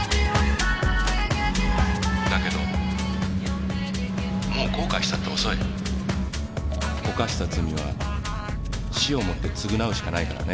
「だけどもう後悔したって遅い」犯した罪は死をもって償うしかないからね。